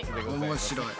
面白い。